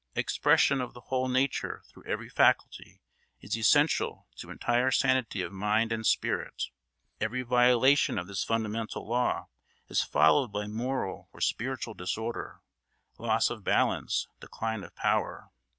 Expression of the whole nature through every faculty is essential to entire sanity of mind and spirit. Every violation of this fundamental law is followed by moral or spiritual disorder, loss of balance, decline of power.